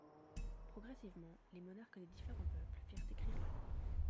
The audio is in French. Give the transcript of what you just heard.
Progressivement, les monarques des différents peuples firent écrire leurs lois.